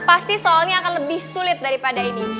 pasti soalnya akan lebih sulit daripada ini